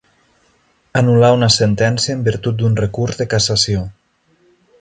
Anul·lar una sentència en virtut d'un recurs de cassació.